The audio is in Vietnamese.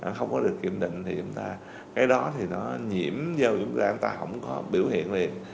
nó không có được kiểm định thì người ta cái đó thì nó nhiễm vào người ta người ta không có biểu hiện liền